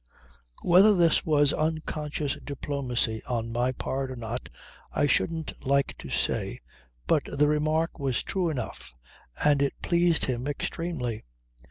Whether this was unconscious diplomacy on my part, or not, I shouldn't like to say but the remark was true enough, and it pleased him extremely.